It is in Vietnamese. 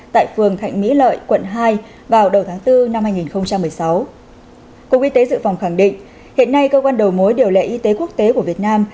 tại phường thạnh mỹ lợi quận hai vào đầu tháng bốn năm hai nghìn một mươi sáu cục y tế dự phòng khẳng định hiện nay cơ quan đầu mối điều lệ y tế quốc tế của việt nam